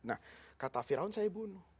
nah kata firaun saya bunuh